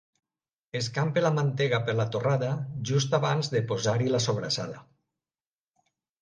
Escampi la mantega per la torrada, just abans de posar-hi la sobrassada.